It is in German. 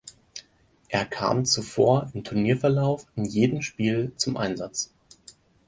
Er kam zuvor im Turnierverlauf in jedem Spiel zum Einsatz.